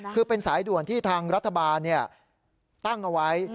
คือเป็นสายด่วนที่ทางรัฐบาลตั้งเอาไว้